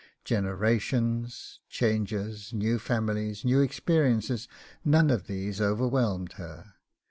Generations, changes, new families, new experiences, none of these overwhelmed her.